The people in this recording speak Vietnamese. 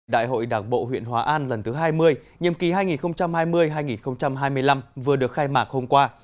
đại hội đảng bộ huyện hòa an lần thứ hai mươi nhiệm kỳ hai nghìn hai mươi hai nghìn hai mươi năm vừa được khai mạc hôm qua